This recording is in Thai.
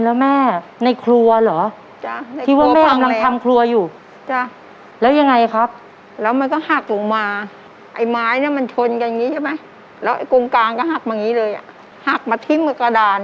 แล้วไอ้กรุงกลางก็หักมาอย่างงี้เลยหักมาทิ้งมากระดาน